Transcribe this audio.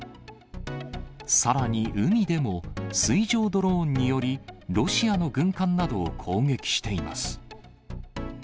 さらに海でも、水上ドローンにより、ロシアの軍艦などを攻撃しています。